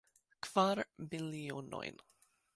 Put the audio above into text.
Kvar milionojn.